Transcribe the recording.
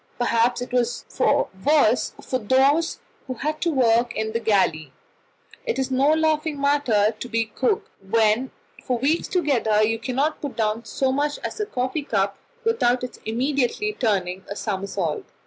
Perhaps it was worse for those who had to work in the galley: it is no laughing matter to be cook, when for weeks together you cannot put down so much as a coffee cup without its immediately turning a somersault.